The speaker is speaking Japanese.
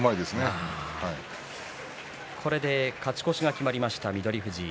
これで勝ち越しが決まりました翠富士。